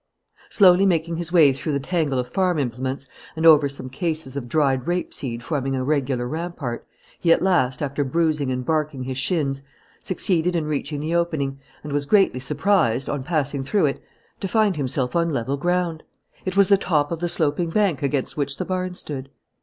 Slowly making his way through the tangle of farm implements and over some cases of dried rape seed forming a regular rampart, he at last, after bruising and barking his shins, succeeded in reaching the opening, and was greatly surprised, on passing through it, to find himself on level ground. It was the top of the sloping bank against which the barn stood.